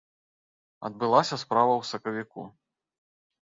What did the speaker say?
Адбылася справа ў сакавіку.